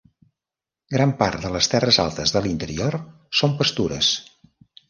Gran part de les terres altes de l'interior són pastures.